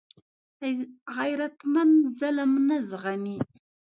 غیرتمند ظلم نه زغمي